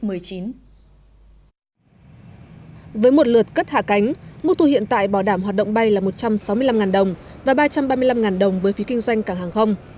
với một lượt cất hạ cánh mức thu hiện tại bảo đảm hoạt động bay là một trăm sáu mươi năm đồng và ba trăm ba mươi năm đồng với phí kinh doanh cảng hàng không